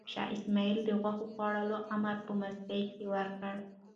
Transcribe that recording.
شاه اسماعیل د غوښو خوړلو امر په مستۍ کې ورکړ.